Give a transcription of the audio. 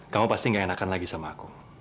kamu pasti gak enakan lagi sama aku